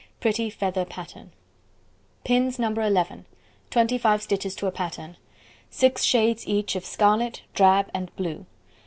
Pretty Feather Pattern. Pins No. 11; 25 stitches to a pattern. Six shades each of scarlet, drab, and blue.